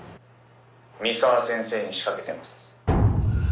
「三沢先生に仕掛けてます」